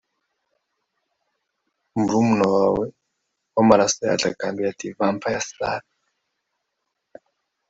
Murumuna we wamaraso Yatakambiye ati Vampireslut